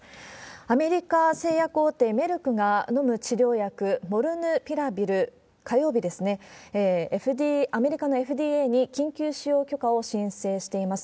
アメリカ製薬大手、メルクが、飲む治療薬、モルヌピラビル、火曜日ですね、アメリカのＦＤＡに緊急使用許可を申請しています。